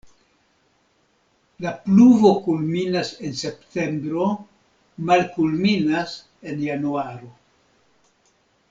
La pluvo kulminas en septembro, malkulminas en januaro.